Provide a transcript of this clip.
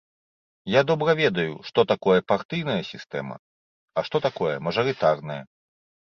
Я добра ведаю, што такое партыйная сістэма, а што такое мажарытарная.